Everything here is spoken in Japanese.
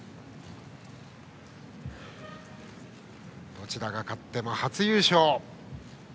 どちらが勝っても初優勝。